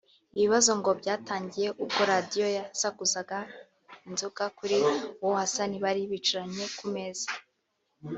Ibibazo ngo byatangiye ubwo Radio yasukaga inzoga kuri uwo Hassan bari bicaranye ku meza